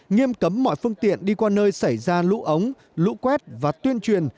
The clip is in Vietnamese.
nghiêm cấm mọi phương tiện đi qua nơi xảy ra lũ ống lũ quét và tuyên truyền